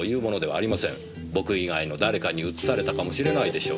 僕以外の誰かにうつされたかもしれないでしょう。